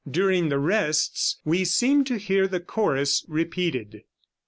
During the rests we seem to hear the chorus repeated.